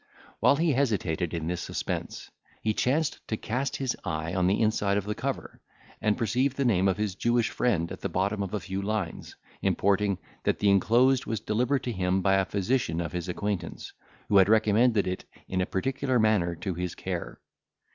While he hesitated in this suspense, he chanced to cast his eye on the inside of the cover, and perceived the name of his Jewish friend at the bottom of a few lines, importing, that the enclosed was delivered to him by a physician of his acquaintance, who had recommended it in a particular manner to his care.